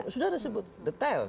sudah ada sebut detail